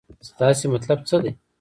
ستاسې مطلب څه دی.